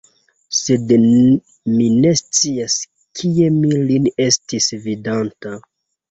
Sed mi ne scias, kie mi lin estis vidanta.